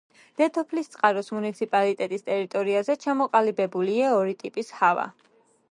დედოფლისწყაროს მუნიციპალიტეტის ტერიტორიაზე ჩამოყალიბებულია ორი ტიპის ჰავა.